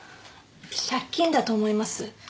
借金だと思います。